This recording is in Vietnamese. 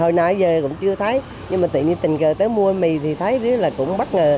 hồi nã giờ cũng chưa thấy nhưng mà tự nhiên tình cờ tới mua mì thì thấy là cũng bất ngờ